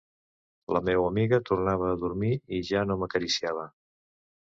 La meua amiga tornava a dormir i ja no m'acariciava.